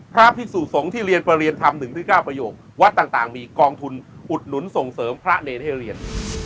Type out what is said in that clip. พระพิสุสงฆ์ที่เรียนประเรียนทำหนึ่งที่เก้าประโยควัดต่างต่างมีกองทุนอุดหนุนส่งเสริมพระเนเทศเรียน